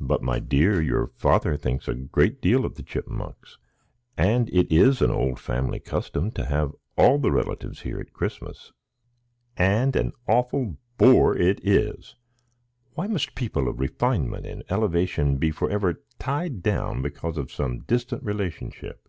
"But, my dear, your father thinks a great deal of the Chipmunks; and it is an old family custom to have all the relatives here at Christmas." "And an awful bore it is! Why must people of refinement and elevation be forever tied down because of some distant relationship?